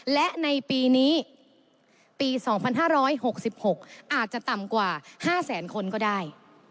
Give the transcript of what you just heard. และในปีนี้ปี๒๕๖๖อาจจะต่ำกว่า๕แสนคนก็ได้